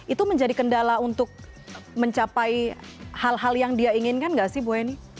itu menjadi kendala untuk mencapai hal hal yang dia inginkan nggak sih bu eni